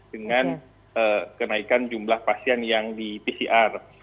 dengan kenaikan jumlah pasien yang di pcr